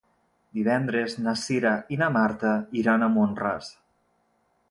Divendres na Cira i na Marta iran a Mont-ras.